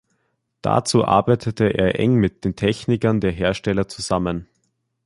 Dazu arbeitete er eng mit den Technikern der Hersteller zusammen.